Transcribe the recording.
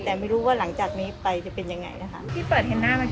แต่ไม่รู้ว่าหลังจากนี้ไปจะเป็นยังไงนะคะ